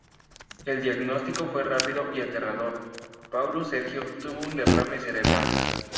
El diagnóstico fue rápido y aterrador: Paulo Sergio tuvo un derrame cerebral.